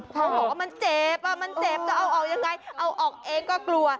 เขาบอกว่ามันเจ็บมันเจ็บจะเอาออกยังไงเอาออกเองก็กลัว